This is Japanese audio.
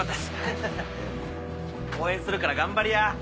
ハハハ応援するから頑張りや。